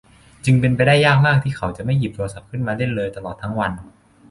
จึงเป็นไปได้ยากมากที่เขาจะไม่หยิบโทรศัพท์ขึ้นมาเล่นเลยตลอดทั้งวัน